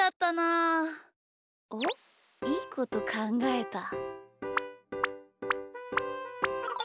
あっいいことかんがえた。